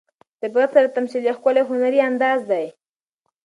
د طبیعت سره تمثیل یو ښکلی هنري انداز دی.